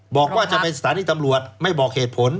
บอกว่าจะไปสถานีตำรวจไม่บอกเหตุผล